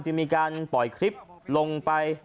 จะมีการปล่อยคลิปลงไป